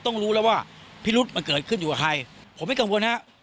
รู้แล้วว่าพิรุษมันเกิดขึ้นอยู่กับใครผมไม่กังวลฮะ